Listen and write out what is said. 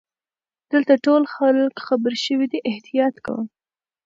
دلته ټول خلګ خبرشوي دي احتیاط کوه.